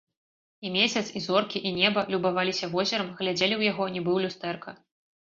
І месяц, і зоркі, і неба любаваліся возерам, глядзелі ў яго, нібы ў люстэрка.